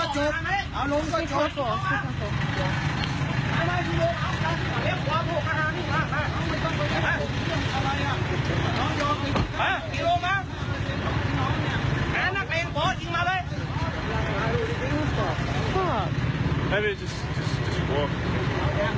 จริงมาแบบนี้